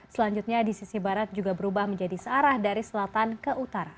selanjutnya di sisi barat juga berubah menjadi searah dari selatan ke utara